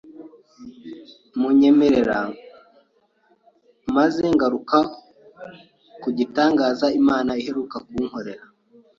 munyemerera mbanze ngaruka ku gitangaza Imana iheruka kunkorera